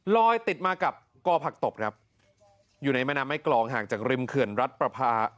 ลอยติดมากับกอผักตบครับอยู่ในแม่น้ำแม่กรองห่างจากริมเขื่อนรัฐประพา